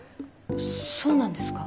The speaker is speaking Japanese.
そうなんですか？